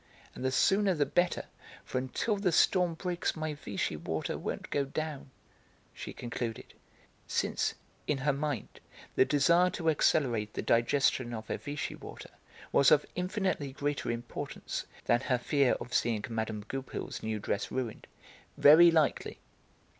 And the sooner the better, for until the storm breaks my Vichy water won't 'go down,'" she concluded, since, in her mind, the desire to accelerate the digestion of her Vichy water was of infinitely greater importance than her fear of seeing Mme. Goupil's new dress ruined. "Very likely."